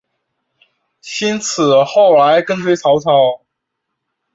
辛毗后来跟随曹操。